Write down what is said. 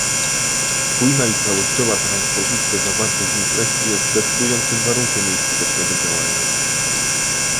Spójna i całościowa transpozycja zawartych w niej treści jest decydującym warunkiem jej skutecznego działania